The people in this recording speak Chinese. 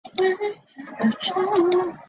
其目标至今未曾改变。